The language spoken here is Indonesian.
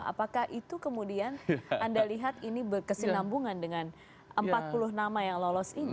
apakah itu kemudian anda lihat ini berkesinambungan dengan empat puluh nama yang lolos ini